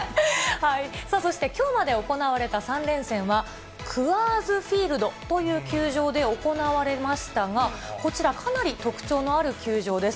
そしてきょうまで行われた３連戦はクアーズ・フィールドという球場で行われましたが、こちら、かなり特徴のある球場です。